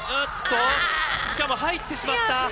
しかも入ってしまった。